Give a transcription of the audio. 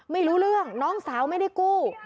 ไม่รู้เรื่องน้องสาวไม่ได้กู้